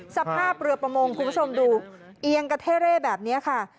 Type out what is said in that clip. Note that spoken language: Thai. สภาพเรือประมงคุณผู้ชมดูเอียงกระเท่เร่แบบนี้ค่ะ